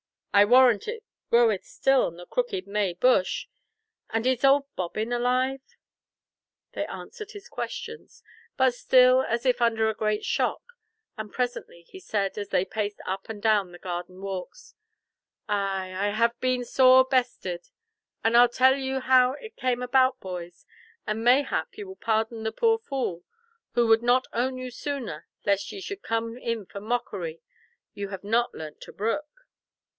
I warrant it groweth still on the crooked May bush? And is old Bobbin alive?" They answered his questions, but still as if under a great shock, and presently he said, as they paced up and down the garden walks, "Ay, I have been sore bestead, and I'll tell you how it came about, boys, and mayhap ye will pardon the poor fool, who would not own you sooner, lest ye should come in for mockery ye have not learnt to brook."